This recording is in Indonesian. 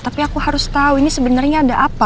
tapi aku harus tau ini sebenernya ada apa